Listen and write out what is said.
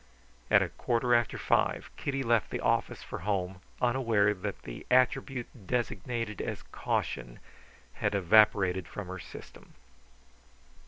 At a quarter after five Kitty left the office for home, unaware that the attribute designated as caution had evaporated from her system.